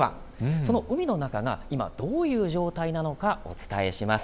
その海の中がどういう状態なのかお伝えします。